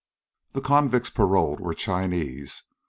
The convicts paroled were Chinese.